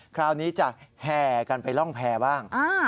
คราวนี้จะแห่กันไปร่องแพรบ้าง